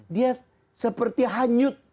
dia seperti hanyut